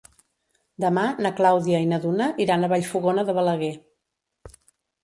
Demà na Clàudia i na Duna iran a Vallfogona de Balaguer.